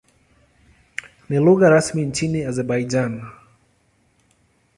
Ni lugha rasmi nchini Azerbaijan.